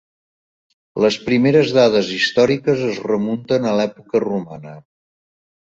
Les primeres dades històriques es remunten a l'època romana.